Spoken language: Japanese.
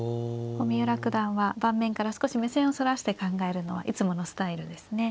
三浦九段は盤面から少し目線をそらして考えるのはいつものスタイルですね。